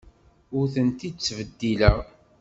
Ur tent-id-ttbeddileɣ.